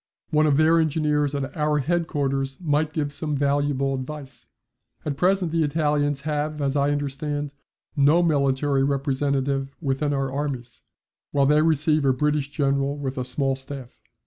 One of their engineers at our headquarters might give some valuable advice. At present the Italians have, as I understand, no military representative with our armies, while they receive a British General with a small staff.